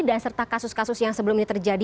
dan serta kasus kasus yang sebelum ini terjadi